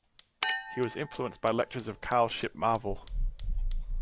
He was influenced by lectures of Carl Shipp Marvel.